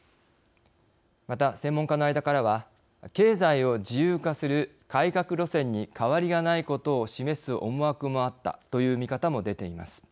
また、専門家の間からは経済を自由化する改革路線に変わりがないことを示す思惑もあったという見方も出ています。